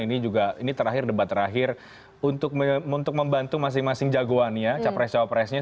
ini juga ini terakhir debat terakhir untuk membantu masing masing jagoannya capres capresnya